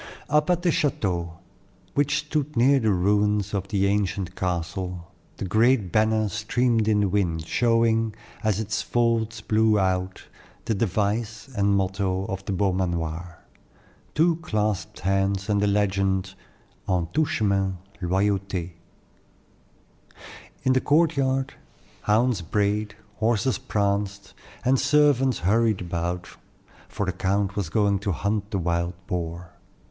Up at the chateau, which stood near the ruins of the ancient castle, the great banner streamed in the wind, showing, as its folds blew out, the device and motto of the Beaumanoir two clasped hands and the legend, "En tout chemin loyauté." In the courtyard, hounds brayed, horses pranced, and servants hurried about; for the count was going to hunt the wild boar.